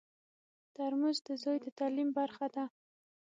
ترموز د زوی د تعلیم برخه ده.